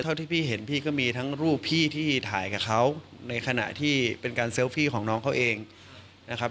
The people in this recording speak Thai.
เท่าที่พี่เห็นพี่ก็มีทั้งรูปพี่ที่ถ่ายกับเขาในขณะที่เป็นการเซลฟี่ของน้องเขาเองนะครับ